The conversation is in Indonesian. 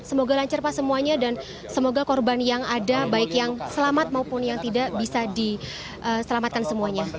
semoga lancar pak semuanya dan semoga korban yang ada baik yang selamat maupun yang tidak bisa diselamatkan semuanya